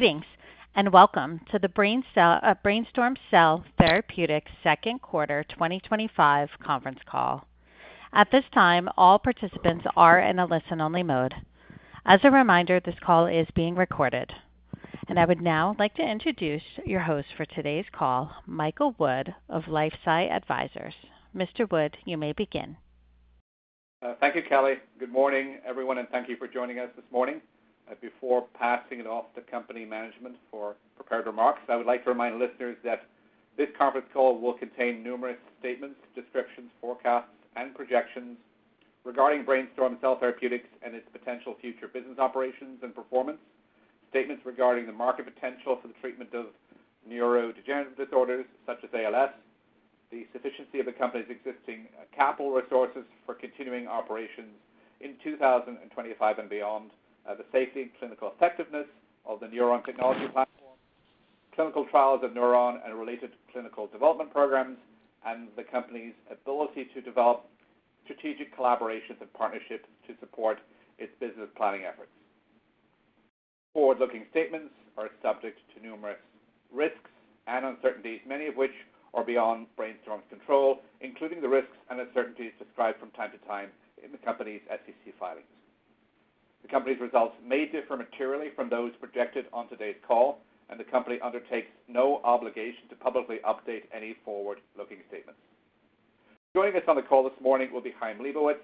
Thanks, and welcome to the BrainStorm Cell Therapeutics second quarter 2025 conference call. At this time, all participants are in a listen-only mode. As a reminder, this call is being recorded. I would now like to introduce your host for today's call, Michael Wood of LifeSci Advisors. Mr. Wood, you may begin. Thank you, Kelly. Good morning, everyone, and thank you for joining us this morning. Before passing it off to company management for prepared remarks, I would like to remind listeners that this conference call will contain numerous statements, descriptions, forecasts, and projections regarding BrainStorm Cell Therapeutics and its potential future business operations and performance, statements regarding the market potential for the treatment of neurodegenerative disorders such as ALS, the sufficiency of the company's existing capital resources for continuing operations in 2025 and beyond, the safety and clinical effectiveness of the NurOwn technology platform, clinical trials of NurOwn and related clinical development programs, and the company's ability to develop strategic collaborations and partnerships to support its business planning efforts. Forward-looking statements are subject to numerous risks and uncertainties, many of which are beyond BrainStorm's control, including the risks and uncertainties described from time to time in the company's SEC filings. The company's results may differ materially from those projected on today's call, and the company undertakes no obligation to publicly update any forward-looking statements. Joining us on the call this morning will be Chaim Lebovits,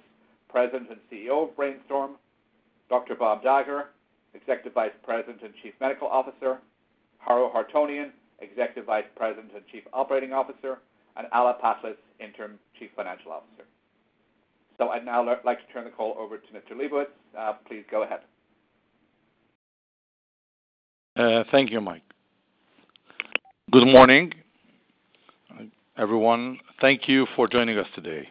President and CEO of BrainStorm, Dr. Bob Dagher, Executive Vice President and Chief Medical Officer, Haro Hartounian, Executive Vice President and Chief Operating Officer, and Alla Patlis, Interim Chief Financial Officer. I would now like to turn the call over to Mr. Lebovits. Please go ahead. Thank you, Mike. Good morning, everyone. Thank you for joining us today.